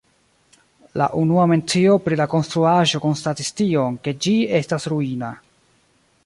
La unua mencio pri la konstruaĵo konstatis tion, ke ĝi estas ruina.